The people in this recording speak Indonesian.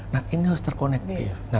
nah ini harus terkonektif